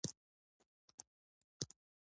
راپور چا ته وړاندې کیږي؟